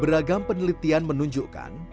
beragam penelitian menunjukkan